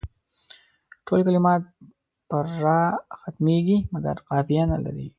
ټول کلمات پر راء ختمیږي مګر قافیه نه کیږي.